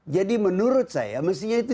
jadi menurut saya mestinya itu